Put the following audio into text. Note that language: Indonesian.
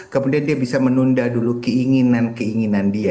kemudian dia bisa menunda dulu keinginan keinginan dia